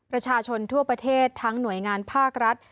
ประชาชนทั่วประเทศทั้งหน่วยงานภาครัฐ